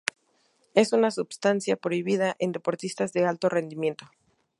Es una substancia prohibida en deportistas de alto rendimiento.